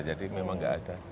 jadi memang enggak ada